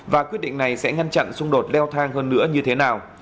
và quyết định này sẽ ngăn chặn xung đột leo thang hơn nữa như thế nào